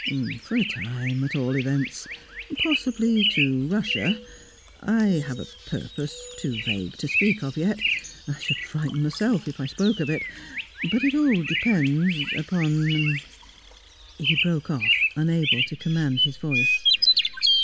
"For a time, at all events. Possibly to Russia I have a purpose too vague to speak of yet I should frighten myself if I spoke of it. But it all depends upon " He broke off, unable to command his voice.